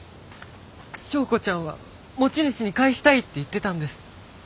昭子ちゃんは持ち主に返したいって言ってたんです。